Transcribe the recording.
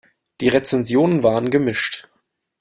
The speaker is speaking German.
Die Rezensionen waren gemischt.